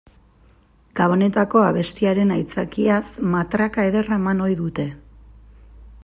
Gabonetako abestiaren aitzakiaz matraka ederra eman ohi dute.